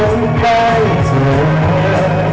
ขอบคุณทุกเรื่องราว